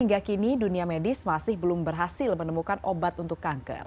hingga kini dunia medis masih belum berhasil menemukan obat untuk kanker